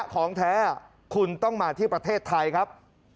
ของแท้คุณต้องมาที่ประเทศไทยครับ